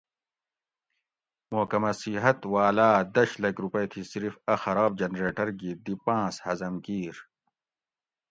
محکمہ صحت والاۤ دش لکھ روپئی تھی صرف اۤ خراب جنریٹر گی دی پاۤنس ہضم کیر